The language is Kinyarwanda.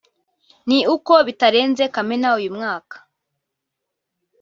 ni uko bitarenze Kamena uyu mwaka